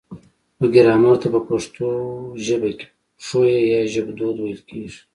و ګرامر ته په پښتو ژبه کې پښويه يا ژبدود ويل کيږي